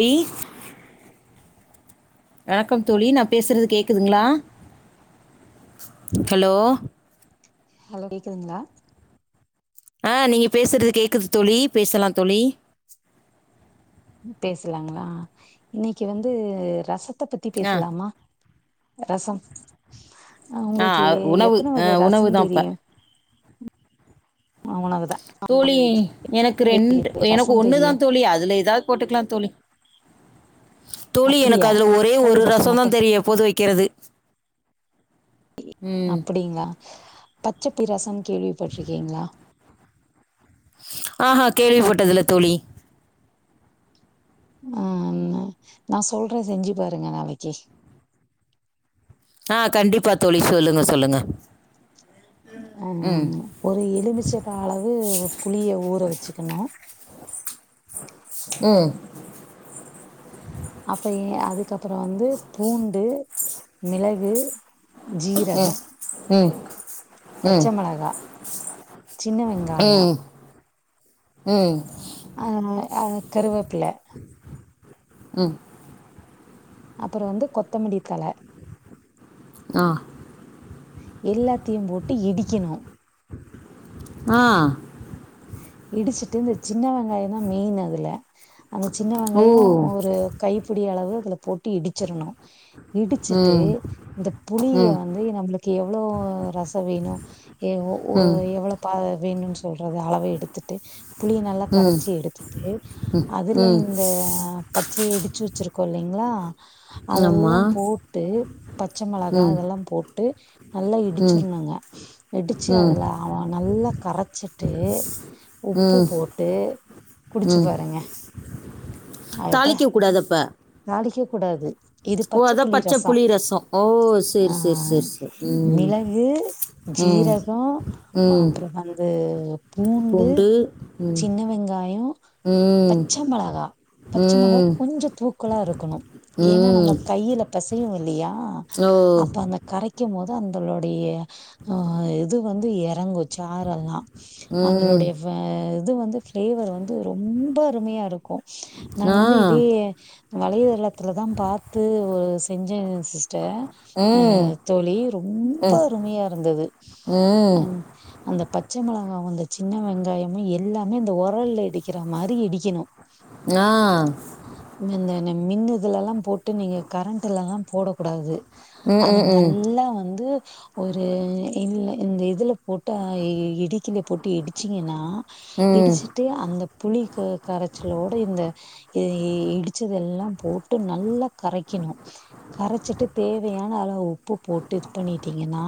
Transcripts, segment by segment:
D வணக்கம் தோழி நா பேசுறது கேக்குதுங்களா ஹலோ ஹலோ கேக்குதுங்களா ஆ நீங்க பேசுறது கேக்குது தோழி பேசலா தோழி பேசலாங்களா இன்னைக்கு வந்து ரசத்த பத்தி ஆ பேசலாமா ரசம் அ ஆ உங்களுக்கு உணவு எத்தன ஆ வகை உணவு ரசம் தான் இப்ப தெரியு உனக்குதா தோழி எனக்கு ரெண்டு எனக்கு ரசம் தெரியு ஒண்ணுதா தோழி அதுல ஏதாது போட்டுக்கலா தோழி தோழி எனக்கு அப்டியா அதுல ஒரே களி ஒரு ரசம் ரசந்தா மட்டு தெரியு எப்போது வைக்கிறது ம் அப்படிங்களா பச்ச புளிரசன் கேள்விப்பட்ருக்கீங்களா ஆஹா கேள்விப்பட்டதுல தோழி ஆ நா சொல்ற செஞ்சு பாருங்க நாளைக்கு ஆ கண்டிப்பாக தோழி சொல்லுங்க சொல்லுங்க ம் ஒரு எலுமிச்சப்ப அளவு புளிய ஊற வச்சுக்கணு ம் அப்ப அதுக்கப்பற வந்து பூண்டு மிளகு ஜீரக ம் ம் பச்சை மெளகா சின்ன வெங்காயொ ம் ம் அ அ கருவேப்புல ம் அப்பற வந்து கொத்தமடி தழ ஆ எல்லாத்தையு போட்டு இடிக்கணும் ஆ இடிச்சுட்டு இந்த சின்ன வெங்காயந்தா மெயினு அதுல அந்த சின்ன வெங்காயோ ஓ! ஒரு கைப்புடி அளவு அதுல போட்டு இடுச்சுறணு ம். இடுச்சுட்டு ம். இந்த புளிய ம். வந்து நம்மளுக்கு எவ்ளோ ரசம் வேணு எவ்வ ஓ ம். எவ்வளவு பா வேணுன்னு சொல்றது அளவ எடுத்து த்து புளிய நல்லா ம். கரைச்சு எடுத்துட்டு அதுல ம். இந்த பச்சைய இடுச்சு வச்சுருக் இருக்கூ இல்லைங்ளா ஆமா. அதெல்லா போட்டு பச்ச மெளகா ம். அதெல்லா போட்டு நல்லா ம். ம். இடுச்சுருணும் ங்க இடுச்சு ம். அதுல அவ நல்லா கரச் ட்டு உப்பு போட்டு குடுச்சு ம். பாருங்க அட தாளிக்கக் கூடாது அப்ப. நாளைக்கே இது ஓ! அதான் பச்சப்புளி பச்ச ரசோ புளி ரசம். ஓ! சரி, ஆ சரி, சரி, சரி. ம். மிளகு ம். ஜீரகம் ம். அப்பறோ வந்து பூண்டு ம். சின்ன வெங்காயோ ம். பச்ச மெளகா பச்ச மொளகா ம். கொஞ்ச தூக்களா இருக்கணும் ஏன்னா நம்ம ம். கையில பெசைவோ இல்லயா ஆ ஓ! அப்ப அந்த கரைக்கும் போது அந்தளோடைய அ இது வந்து எறங்கு சாரல்லா ம். அதலுடைய வ இது வந்து ப்ளேவர் வந்து ரொம்ப அருமையா இருக்கூ க்கு நான் ஆ. வந்து இதே வலைதளத்துல தா பாத்து ஒரு செஞ்ச ஸ்ட அ ம். தோழி ரொம்ப அருமையா இருந்தது ம். அம் அந்தப் பச்சை மெளகாவு இந்த சின்ன வெங்காயமு எல்லாமே இந்த ஒரல்ல இடிக்கிற மாரி இடிக்கணு நா இன்ன மின்னுதுலெல்லா போட்டு நீங்கள் கரண்டுலெல்லா போடக்கூடாது ம். அத ம். நல்லா வந்து ஒரு இல்ல இந்த இதுல போட்டா இடிக்கில போட்டு இடிச்சீங்கென்னா ம். ம். இடுச்சுட்டு அந்த புளி க கரச் கூட இந்த இ இடுச் இடுச்சதெல்லா போட்டு நல்லா கரைக்கணு கரச்சுட்டு தேவையான அள உப்பு போட்டு இது பண்ணிட்டீங்கன்னா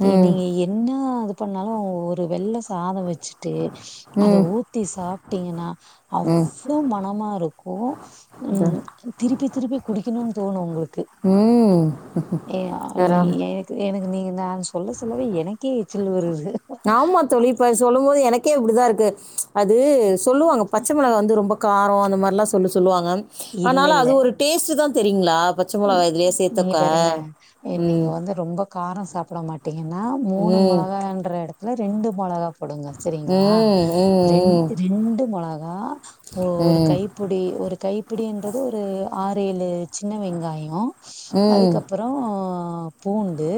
ம். நீங்க என்ன அது இது பண்ணாலு ஒரு வெள்ள சாதோ வச்சுட்டு அத ம் ஊத்தி சாப்ட்டீங்கன்னா ம் அவ்ளோ மனமா இருக்கூ ம் இது, ம் திருப்பி திருப்பி குடிக்கணுன்னு தோணு உங்களுக்கு ம் ம் ஏ எ தறோ எனக்கு எனக்கு நீங்க நான் சொல்ல சொல்லவே எனக்கே எச்சில் ஊருது ஆமா தோழி இப்ப சொல்லும் போது எனக்கே அப்டிதா இருக்கு அது சொல்லுவாங்க பச்ச மொளகா வந்து ரொம்ப காரோ அந்த மாரில்லா சொல்லு சொல்லுவாங்க இல்ல அதுனால இல்ல அது ஒரு டேஸ்ட்டு தா தோ தெரியுங்ளா பச்ச மொளகாய இதுலயே சே நீங்க பாருங்க நீங்க வந்து ரொம்ப காரோ சாப்ட மாட்டீங்கன்னா மூணு ம் மொளகான்ற எடத் துல ரெண்டு மொளகா போடுங்க சரிங்களா ம் ரெண் ம் ரெண்டு மொளகா ஓ ஒரு ம் கைப்புடி ஒரு கைப்பிடின்றது ஒரு ஆறு ஏழு சின்ன வெங்காயோ ம் அதுக்கப்பறோ பூண்டு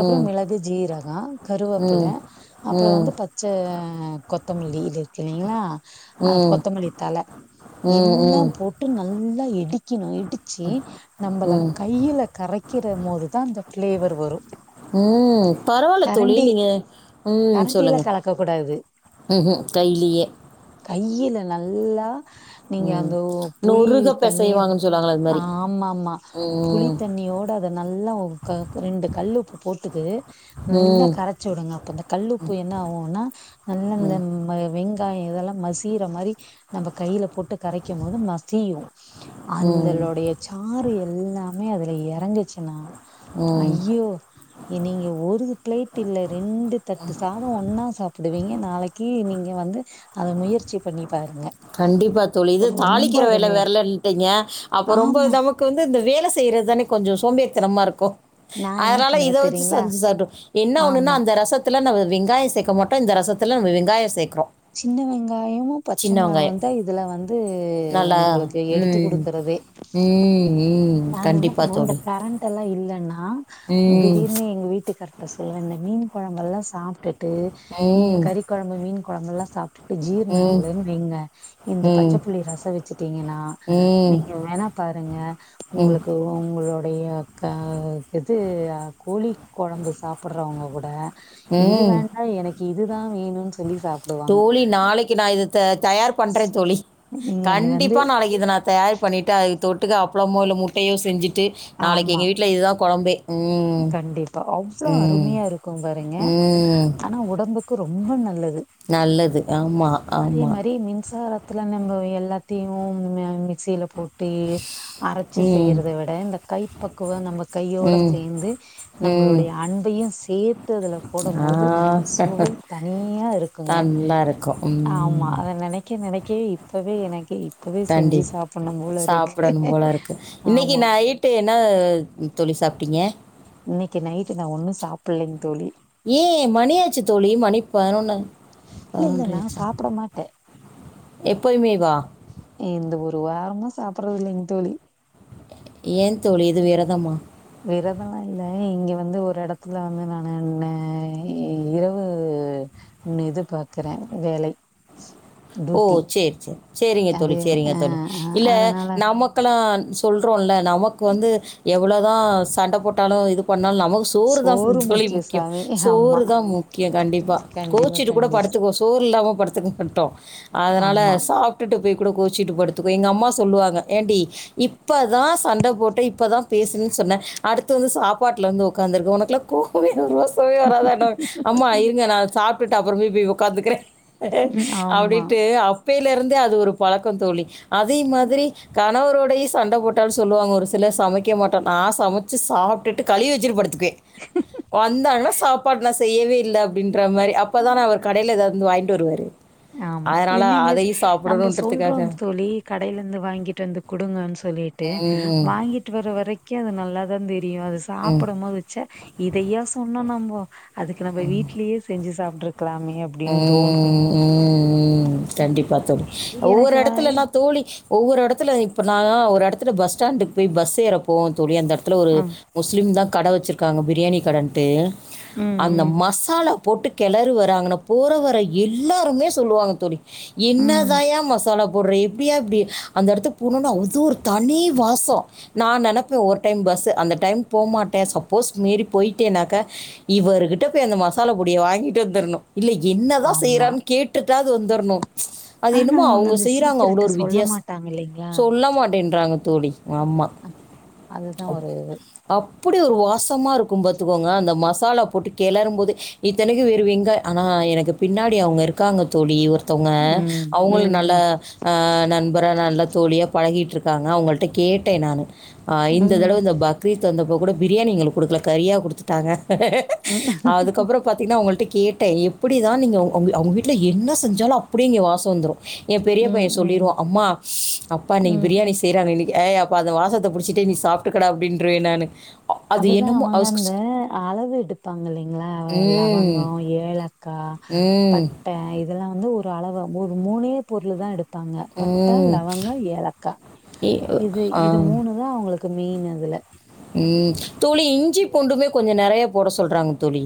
ம் ம் மிளகு ஜீரகோ கருவேப்புல ம் ம் அப்பறோ ம் வந்து பச்ச கொத் கொத்தமல்லி இது இருக்கு இல்லீங்களா அ கொத்தமல்லி தல எல்லா ம் ம் போட்டு நல் நல்லா இடிக்கணு இடுச்சு நம்பள ம் கையில கரைக்கிற மோதுதா அந்த ப்ளேவர் வரு ம் பரவால்ல தோழி கரண்டி நீங்க ம் கரண்டில சொல்லுங்க கலக்க கூடாது ம் ம் கைலயே கையில நல்லா நீங்க ம். அந்த ஓ புளி நொறுக தண்ணி பெசைவாங்கன்னு சொல்லுவாங்கல்ல, அது மாரி. ஆமாம்மா ஆ ம். புளித்தண்ணியோட அத நல்லா [unintelligible] ரெண்டு கல்லுப்பு போட்டுக்கு நல்லா ம். கரச்சி வுடுங்க அப்ப இந்த கல்லுப்பு என்ன ஆகுனா நல்லா இந்த [unintelligible] வெங் தா எதெல்லா மசீர மாரி நம்ப கையில போட் ட்டு கரைக்கும் போது மசியு ம். அந்தளுடைய சாறு எல்லாமே அதுல எறங்கச்சுன்னா ம். ஐயோ இ நீங்க ஒருது பிளேட் இல்ல ரெண்டு தட்டு சாதோ ஒன்னாஸ் சாப்பிடுவீங்க நாளைக்கு நீங்க வந்து அத முயற்சி பண்ணிப் கண்டிப்பா தோழி இது தாளிக்கிற வேல அருமையா இருக்கு வெர்லன்ட்டீங்க அப்ப ரொம்ப ஆமா தமக்கு வந்து இந்த வேல் வேல செய்றதுதானே கொஞ்சோ சோம்பேறித்தனமாருக்கு நா என்ன அதனால பண்ணுவே இத வச்சு தெரியுங்களா செஞ்சு சட்டுப் என்ன ஒண்ணுன்னா ஆமா அந்த ரசத்துல நம்ம வெங் காயோ சேக்க மாட்டோ இந்த ரசத்துல நம்ப வெங்காயோ சேக் சின்ன வெங்காயமு பச்ச மிளகா வெங்காயம். வந்து த்தா இதுல வந்து நல்லா உங்களுக்கு எடுத்து ம். குடுக்குறது ம். ம். நான் என்ன கண்டிப்பா பண் [unintelligible] இந்த தோழி. கரண்ட்ட எல்லா இல்லன்னா ம். திடீர்னு எங்க வீட்டுக்கார்ட சொல்லுவே இந்த மீன் கொழம்பெல்லா சாப்ட்டுட் டு நீங்க ம். கறி கொழம்பு மீன் கொழம்பெல்லா சாப்ட்டுட்டு ஜீர்ணோ ம். ஆவலன்னு வைங்க இந்த ம். பச்சப்புளி ரசோ வச்சுட்டீங்கன்னா ம். நீங்க வேணா பாருங்க ம். உங்களுக்கு உங்களோட ஐயோ அக்கா இது கோழி கொழம்பு சாப்பிடறவங்க கூட இது ம். வேண்டா எனக்கு இதுதா வேணுன்ஸ் தோழி நாளைக்கு நா இதுதத் தயார் பண்றே தோழி நீங்க வந்து கண்டிப்பா நாளைக்கு இத நா தயார் பண்ணிட்டு அதுக்கு தொட் டுக்க அப்ளமோ இல்ல முட்டையோ செஞ்சுட்டு நாளைக்கு எங்க வீட்ல இதுதா கொழம்பே ம் கண்டிப்பா அவ்ளோ அருமையா இருக்கு பாருங்க ம். ஆனா உடம்புக்கு ரொ ம்ப நல்லது நல்லது. ஆமா, அதே ஆமா. மாரி மின்சாரக் த்துல நம்போ எல்லாத்தையு [unintelligible] சீல போட்டு அரச்சு ம். செய்றத விட இந்த கைப்பக்குவ நம்ப கையோடக் ம். சேந்து ம். நம்பளுடைய அன்பையு சேத்து அதுல ஆ. போடும்போது சுவை தனி னியா இருக்குங்க நல்லா இருக்கும். ஆமா ம். அத நெனைக்க நெனைக்கோய் இப்பவே எனக்கோய் ப்பவே செஞ்சு கண்டிப் சாப்பின்னு போல இருக்கு சாப்பிடணும் போல இருக்கு. இன்னைக்கு ஆமா நைட்டு என்ன தோழி சாப்ட்டீங்க இன்னைக்கு நைட்டு நா ஒன்னு சாப்பில்லைங் தோழி ஏ மணியாச்சு தோழி மணி பதினொன்னு இல்ல இல்ல நான் பதினொன்றையாச்சா சாப்பிட மாட்டேன். எப்பயுமேவா இந்த ஒரு வாரமா சாப்பிட்றது இல்லைங்க தோழி ஏன் தோழி எது விரதமா விரதொல்லா இல்ல இங்க வந்து ஒரு எடத்துல வந்து நானு நே இரவு உன் இது பாக்குறே வேலை ஓ டூட்டி சேர் சேர் சேரிங்க அது தோழி சேரிங்க அ தோழி அ இல்ல அதனால நமக்கலான் சொல்றோல நமக்கு வந்து எவ்ளோதா சண்ட போட்டாலு இது பண் ணாலு நமக்கு சோறு தா [unintelligible] தோழி முக்கிய முக்கியோ சாமி ஆமா சோறு தா முக்கியோ கண்டிப்பா கண்டிப்பா கோச்சுட்டு கூட கண்டிப்பா படுத்து உங்க சோறு இல்லாம படுத்குங்கிட்டோ அதனால ஆமா சாப்ட்டுட்டு [unintelligible] போய் கூட கோச்சிட்டு படுத்துக்கு எங்க அம்மா சொல்லுவாங்க ஏண்டி இப்பதா சண்ட போட்டே இப் இப்பதா பேசுணு சொன்னே அடுத்து வந்து சாப்பாட்ல வந்து உக்காந்துருக்க ஒனக்லா கோவ் [unintelligible] செய் வராதான்டாங் அம்மா இருங்க நா சாப்பிட்டுட்டு அப்புறமே போய் உக்காந்துக்கிறே ம் ஆமா அப்டின்ட்டு அப்பைல இருந்தே அது ஒரு பழக்கோ தோழி அதே மாதிரி காந் ணவரோடயு சண்ட போட்டாலு சொல்லுவாங்க ஒரு சில சமைக்க மாட்டோ நா சமைச்சு சாப்பிட்டுட்டு கழுவி வச்சுட்டு படுத் துக்கே வந்தாங்கன்னா சாப்பாட் நா செய்யவே இல்ல அப்டின் ட்ற மாரி அப்பதான அவர் கடையில எதாவ்துந்து வாங்கிட்டு வருவாரு ஆமா அதனால என்னங்கஸ் அதையும் நம்ப சொல்றோம் சாப்பிடணுன்றதுக்காக. தோழி கடையிலருந்து வாங்கிட்டு வந்து குடுங்கன் சொல்லிட் ட்டு ம். வாங்கிட்டு வர வரைக்கு அது நல்ல தா தெ ரியு அது ம். சாப்பிட மோது ச இதையா சொன்னோ நம்போ அதுக்கு நம்ம வீடலேயே செஞ்சு சாப்ட்டு இருக்கலாமே ம், அப்டின்னு தோணு ம் ம் கண்டிப்பாக தோழி எ- ஒவ்வொரு எனக்கு வ எடத்துலலா தோழி ஒவ்வொரு எடத்துல இப்போ நா ஒரு எடத்துல பஸ் ஸ்டாண்டுக்கு போய் பஸ்ஸு ஏறப்போ தோழி அந்த எடத்துல ஒரு ம் முஸ்லீம் தா கட வெச்சுருக்காங்க பிரியாணி கடன்ட்டு ம் அந்த ம் மசாலா போட்டு கெளறு வராங்கன்ன போற வர எல்லோருமே சொல்லுவாங்க தோழி ம் என்னதாயா மசாலா போடுற எப்டியா இப்டி அந்த எடத்துக் போனோனா அது ஒரு தனி வாசொ நா நெனைப்போ ஒரு டைம் ப ஸ்ஸு அந்த டைம் போ மாட்டே சப்போஸ் மீறி போயிட்டேனாக்க இவர்கிட்ட போய் அந்த மசால கூடய வா ங்கிட்டு வந்துரணு இல்ல என்னதா ஆமா செய்றார்னு கேட்டுட்டாது வந்துரணு அது ஆனா என்னமோ அவங்க அந்த செய்றாங்க அவள சீக்கிரட்ட ஒரு சொல்ல வித்தியாச் மாட்டாங்க இல்லைங்களா சொல்ல மாட்டேன்றாங்க ஆமா ஆமா அதுதான் அ ஒரு அப் படி ஒரு வாசமா இருக்கும பாத்துக்கோங்க அந்த மசாலா போட்டு கெளரும்போது இத்தனைக்கு வெறு வெங்காய ஆனா எனக்கு பின்னாடி அவங்க இருக்காங்க தோழி ஒரு தவங்க ம் அவங்களோ ம் நல்ல ம் ஆ நண்பரா நல்ல தோழியா பழகிட் ருக்காங்க அவங்கள்ட்ட கேட்டே நானு அ இந்த ம் தடவ இந்த பக்ரீத் வந்த ப்போ கூட பிரியாணி எங்களுக்கு கொடுக்கல கரியா கொடுத்துட்டாங்க ம் அதுக்கப்புறோ பாத்தீங்கன்னா அவங்கள்ட்ட கே ட்டே எப்டிதா நீங்க அவ் அவுங்க அவுங்க வீட்ல என்ன செஞ்சாலு அப்டியே இங்கே வாச வந்துரு எ பெரிய பைய ம் ம் சொல்லிரு அம்மா அப்பா ம் இன்னைக்கு பிரியாணி செய்றாங்க வெளி ய ஏய் அப்ப அந்த வாசத்த புடிச்சிட்டே நீ சாப்ட்டுக்கடா அப்டின்ட்ருவே நானு அ அது அதுதா என்னமோ அவங்க அஸ் ஸ் அந்த அளவு எடுப்பாங்க இல்லைங்களா வே ம். லவங்கோ ஏ ஏலக்கா ம். பட்ட இதெல்லா வந்து ஒரு அளவு ஒரு மூணே பொருள் தா எடுப் பாங்க பட்ட ம். லவங்க ஏலக்கா எ இது அ இது மூணு தா அவங்களுக் கு மெயின் அதுல ம் தோழி இஞ்சி பூண்டுமே கொஞ்ச நெறைய போட சொல்றாங்க தோழி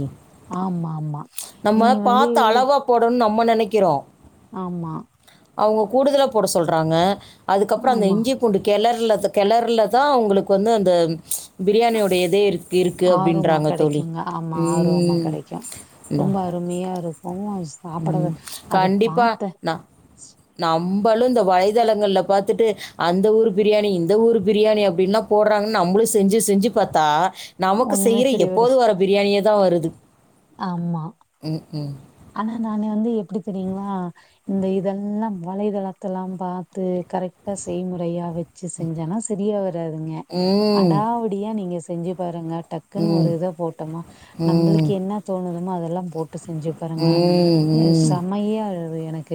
ஆமா ஆமா நம்ம நீங்க வந்து பாத்து அளவா போடணு நம்ம நெனக்கிறோ ஆமா, அவங்க கூடுதலாக போட சொல்றாங்க அதுக்கப்புறோ அந்த ஆமா. இஞ்சி பூண்டு கெளர் இல்ல அத கெளறுல தா அவங்களுக்கு வந்து அந்த பிரியாணியோடைய எதே இருக் இருக்கு ஆரோமா அப்டின்றாங்க தோழி கெடைக்குங்க. ஆமா, ஆரோமா ம் கெடைக்கும். நா ரொம்ப அருமையா இருக்கு ம் கண்டிப்பா ந நா நம்பளு இந்த வயதளங்கள்ல பாத்துட்டு அந்த ஊர் பிரியாணி இந்த ஊர் பிரியாணி அப்டின்ல்லா போடுறாங்கன் ந ம்பளு செஞ்சு செஞ்சு பாத்தா நமக்கு ஒண்ணுமே செய்யற சரி வரு எப்போது வர பிரியாணியேதா வருது ஆமா. ம் ம் ஆனா நானே வந்து எப்டி தெரியுங்களா இந்த இதெல்லா வலையதளத்தெல்லா பாத்து க கரெக்டா செய்முறையா வெ வெச்சு செஞ்சானா சரியா வராதுங்க ம் அடாவடியா நீங்க செஞ்சு பாருங்க டக்குன்னு ஒரு ம் இத போட்டோமா ம் நம்மளுக்கு என்ன தோணுதுமோ அதெல்லா போட்டு செஞ்சு பாருங்க ம் அ ம் செமையா வருது எனக்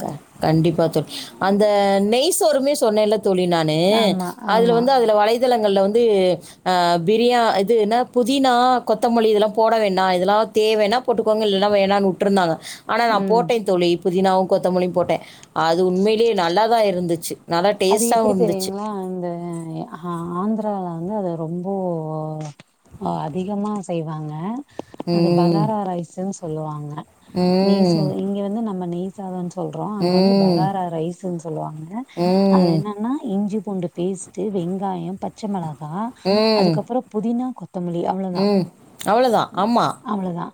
க கண்டிப்பா தோ அந்த நெய் சோருமே சொன்னோலத் தோழி நானு ஆமா அதுல ஆமா வந்து அதுல வலைய த்தளங்கள்ல வந்து ஆ பிரியா இது என்ன புதினா கொத்தமல்லி இதெல்லா போட வேண்டா இதெல்லா அ தேவைன்னா போட்டுக்கோங்க இல்லைன்னா வேணானு வுட்ருந்தாங்க ஆனா நா ம் போட்டே தோழி புதினாவு கொத்தமல்லியு போட்டே அது உண்மையிலேயே நல்லாதா இருந்து அது எப்டி தெரியுங்களா இந்த ஹா ஆந்துரா வந்து அத ரொம்போ அ அதிகமா செய்வாங்க அது ம் பகாரா ரைஸுன்னு சொல்லுவாங்க நெய் சோ ம் இங்க வந்து நம்ம நெய்சாதன்னு சொல்றோ அங்க வந்து ம் பகாரா ரைஸ்ஸுன்னு சொல்லுவாங்க அதில் ம் என்னென்னா இஞ்சி பூண்டு பேஸ்ட்டு வெங்காயம் பச்சை மிளக் ம் அதுக்கப்புறம் புதினா கொத்தமல்லி அவ்வளவுதா ம் அவ்வளோதான் ஆமாம் அவ்வளவுதா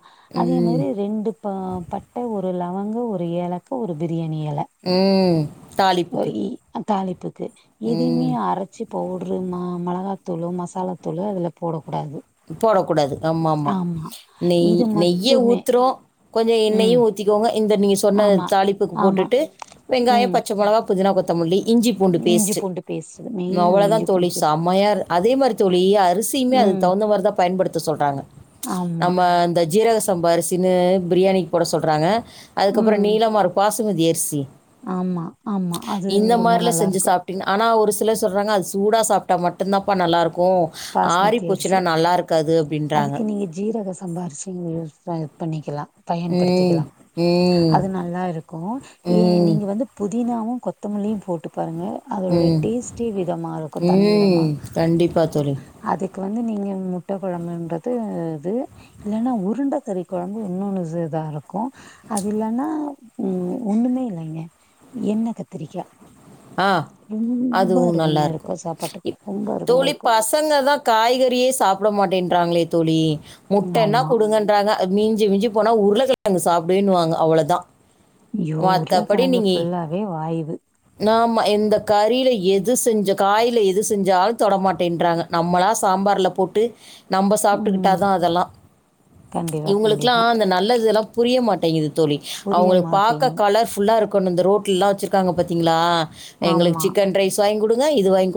அதே ம் மாதிரி ரெண்டு ப பட்ட ஒரு ஒரு லவங்க ஒரு ஏலக்கு ஒரு ப உம் தாளிப்புக்கு எதுவுமே ம். அரைசு பவுட்ரு மா மிளகாத்தூளு மசாலாத்தூளு அதுல போடக்கூடாது போடக்கூடாது ஆமாம்மா ஆமா. நெய் இது நெய்ய மட்டுமே. ஊத்துறோம் கொஞ்ச ம். எண்ணெயும் ஊத்திகோங்க இந்த நீங்க சொன்ன ஆமா. தாளிப்புக்கு ஆமா. போட்டுட்டு வெங்காயம் ம். பச்ச மிளகா புதினா கொத்தமல்லி இஞ்சி பூண்டு இஞ்சி பேஸ்ட்டு பூண்டு பேஸ்ட்டு மெயின் அது அவ்ளோ தான் இஞ்சி தோழி பூண்டு பேஸ்ட். சமையா இரு அதே மாரி தோழி அரிசியுமே ம் தகுந்த மாதிரி தான் பயன்படுத்த சொல்றாங்க ஆமா நம்ம இந்த ஜீரக சம் சம்ப அரிசின்னு பிரியாணிக்கு போட சொல்றாங்க அதுக்கப்புற ம் நீலமா இரு பாசுமதி அரிசி ஆமா ஆமா அது இந்த ரொம்ப மாதிரில செஞ்சு நல்லாருக்கு சாப்பிட்டீங்க ஆனா ஒரு சொல்றாங்க அது சூடா சாப்ட்டா மட்டும்தான்ப்பா நல்லா இருக்கு ஆரிப் ரிச அதுக்கு நீங்க ஜீரக சம்பா அரிசில பண்ணிக்கலா ம். பயன்படுத்திக்கலா ம். அது நல்லா இருக்கு ஏ ம். நீங்க வந்து புதீனாவு கொத்தமல்லியு போட்டுப் பாருங்க அதோட ம். டேஸ்டே விதமா இருக்கு தனி விதமா ம். கண்டிப்பா தோழி. அது வந்து நீங்க முட்ட குழம்புன்றது இது இல்லன்னா உருண்ட கறி குழம்பு இன்னொன்னு இருக்ககு அது இல்லன்னா உம் ஒண்ணுமே இல்லங்க என்ன கத்திரிக்கா ஆ. ரொம்ப அதுவும் அருமையா இருக்கு நல்லாருக்கும். சாப்பாட்டுக்கு இப் ரொம்ப அருமையா தோழி இரு பசங்க தான் காய்கறியே சாப்பிட மாட்டேன்றாங்களே தோழி முட்டன ஆமா குடுங்கன்றாங்க மிஞ்ச மிஞ்சி போனா உருளக்கிழங்கு சாப்பிடுவேன்னுவாங்க அவ்வளோதா ஐயோ மத்தப்படி உருளக்கெழங்கு நீங்க ஃபுல்லாவே வாய்வு ந இந்த கறில எது செஞ்ச காய்ல எது செஞ்சாலு தொட மாட்டேன்றாங்க நம்மளா சாம்பார்ல போட்டு நம்ம சாப்டுக்குட்டா ம் தான் அதெல்லா கண்டிப்பா இவங்களுக்லா கண்டிப்பா அந்த நல்லதெல்லா புரிய மாட்டேங்கிது தோழி புரிய அவங்களுக் பாக்க மாட்டேங்கு கலர்புல்லா இருக்குனு இந்த ரோட்ல லாம் வச்சிருக்காங்க பாத்தீங்ளா எங்களுக்கு ஆமா சிக்கன் ரைஸ் வாங்கி குடுங்க இது வாங்கி குடுங்க